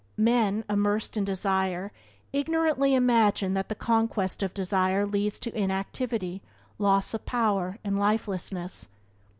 Men, immersed in desire, ignorantly imagine that the conquest of desire, leads to inactivity, loss of power, and lifelessness.